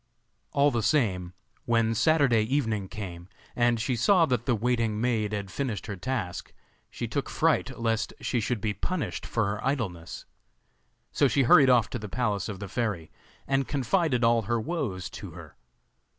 All the same, when Saturday evening came, and she saw that the waiting maid had finished her task, she took fright lest she should be punished for her idleness. So she hurried off to the palace of the fairy, and confided all her woes to her.